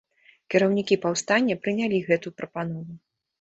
Кіраўнікі паўстання прынялі гэту прапанову.